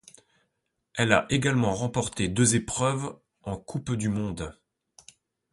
Elle a également remporté deux épreuves en coupe du monde.